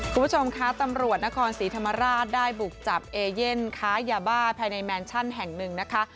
คุณผู้ชมคะตำรวจนครศรีธรรมราชได้บุกจับเอเย่นค้ายาบ้าภายในแมนชั่นแห่งหนึ่งนะคะ